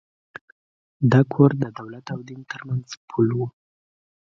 دا کور د دولت او دین تر منځ پُل و.